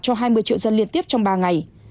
cho hai mươi triệu dân liên tiếp trong ba ngày